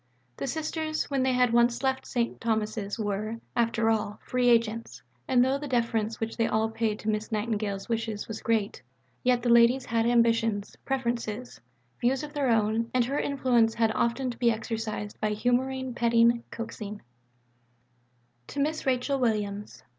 The Sisters when they had once left St. Thomas's were, after all, free agents; and though the deference which they all paid to Miss Nightingale's wishes was great, yet the ladies had ambitions, preferences, views of their own, and her influence had often to be exercised by humouring, petting, coaxing: (_To Miss Rachel Williams.